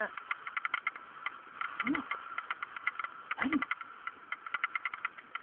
うまく？何を？